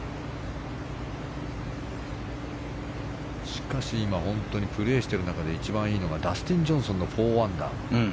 しかし今、本当にプレーしている中で一番いいのが、ダスティン・ジョンソンの４アンダー。